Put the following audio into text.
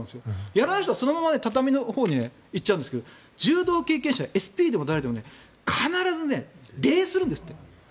やらない人はそのまま畳のほうに行っちゃうんですけど柔道経験者、ＳＰでも誰でも必ず礼をするんですって。